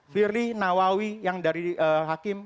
firly nawawi yang dari hakim